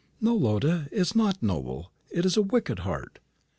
"No, Lotta, it is not noble. It is a wicked heart."